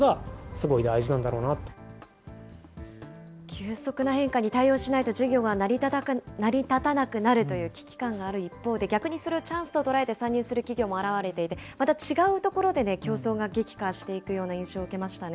急速な変化に対応しないと事業が成り立たなくなるという危機感がある一方で、逆にそれをチャンスと捉えて参入する企業も現れていて、また違うところで競争が激化していくような印象を受けましたね。